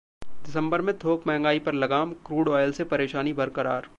दिसंबर में थोक महंगाई पर लगाम, क्रूड ऑयल से परेशानी बरकरार